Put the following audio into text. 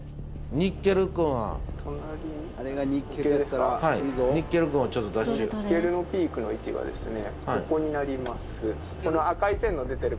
ニッケルのピークの位置がここになります。